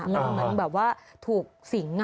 เหมือนแบบว่าถูกศิงอ่ะ